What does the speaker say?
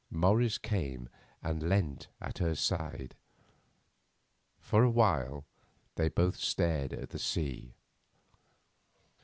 Morris came and leant at her side; for a while they both stared at the sea.